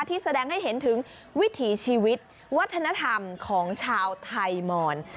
แสดงให้เห็นถึงวิถีชีวิตวัฒนธรรมของชาวไทยมอน